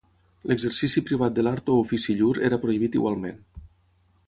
L'exercici privat de l'art o ofici llur era prohibit igualment.